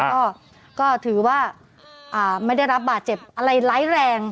ก็ก็ถือว่าอ่าไม่ได้รับบาดเจ็บอะไรไร้แรง